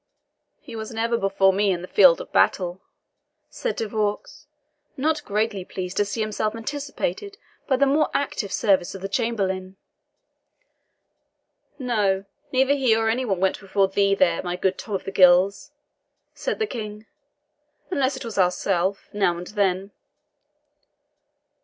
"He was never before me in the field of battle," said De Vaux, not greatly pleased to see himself anticipated by the more active service of the chamberlain. "No, neither he nor any one went before thee there, my good Tom of the Gills," said the King, "unless it was ourself, now and then."